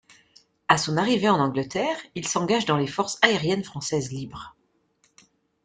À son arrivée en Angleterre, il s'engage dans les Forces aériennes françaises libres.